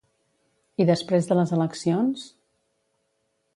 I després de les eleccions?